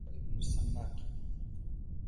وَقَالَ ابْنُ السَّمَّاكِ